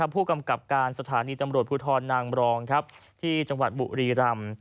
ผู้กำกับการสถานีตำรวจภูทรนางบรองที่จังหวัดบุรีรำ